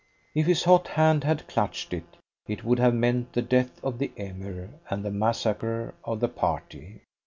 If his hot hand had clutched it, it would have meant the death of the Emir and the massacre of the party.